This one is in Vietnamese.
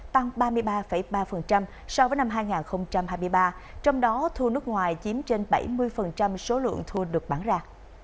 tăng ba mươi ba ba so với năm hai nghìn hai mươi ba trong đó thu nước ngoài chiếm trên bảy mươi số lượng thu được bán ra